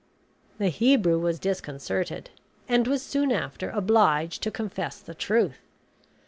The Hebrew was disconcerted, and was soon after obliged to confess the truth.